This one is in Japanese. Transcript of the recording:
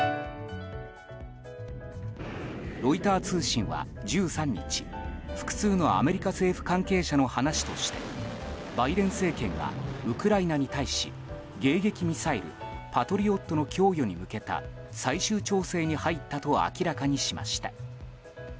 ロイター通信は１３日、複数のアメリカ政府関係者の話としてバイデン政権がウクライナに対し迎撃ミサイルパトリオットの供与に向けた最終調整に入ったと明らかにしました。